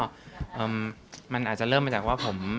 มันอาจจะเริ่มมาจากว่าผม